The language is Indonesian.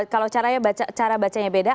kalau cara bacanya beda